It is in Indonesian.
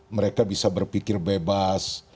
mereka bisa berpikir bebas